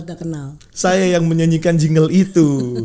iya kebetulan saya yang menyanyikan jingle itu